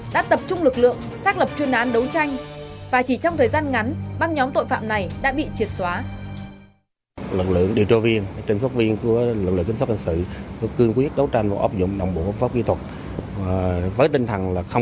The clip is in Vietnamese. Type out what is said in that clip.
đấu tranh và chỉ trong thời gian ngắn băng nhóm tội phạm này đã bị triệt xóa